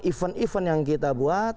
event event yang kita buat